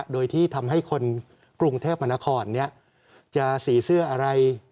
โดยที่ทำให้คนกรุงเทพมนครจะสีเสื้ออะไร